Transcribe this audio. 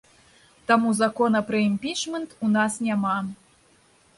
Таму закона пра імпічмент у нас няма.